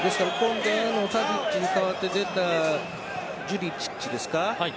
タディッチに代わって出たジュリチッチですか。